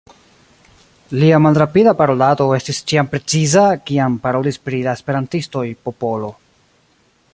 Lia malrapida parolado estis ĉiam preciza kiam parolis pri la Esperantistoj Popolo.